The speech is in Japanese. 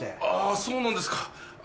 あそうなんですか。